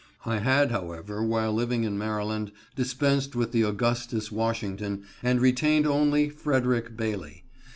I had, however, while living in Maryland, dispensed with the Augustus Washington, and retained only Frederick Bailey.